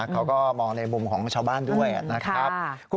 เขาก็มองในมุมของชาวบ้านด้วยนะครับ